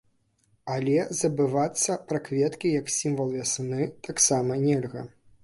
Але забывацца пра кветкі як сімвал вясны таксама нельга!